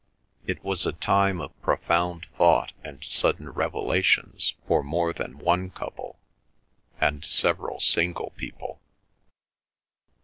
It was a time of profound thought and sudden revelations for more than one couple, and several single people.